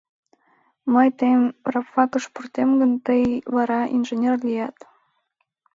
Мый тыйым рабфакыш пуртем гын, тый вара инженер лият.